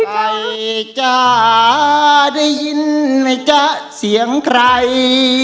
ไก่จ๋าได้ยินไก่จ๋าเสียงใคร